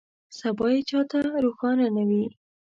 سبا یې چا ته روښانه نه وي.